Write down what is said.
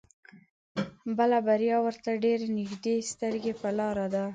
بله بريا ورته ډېر نيږدې سترګې په لار ده.